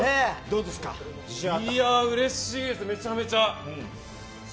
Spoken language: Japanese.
うれしいです、めちゃめちゃ。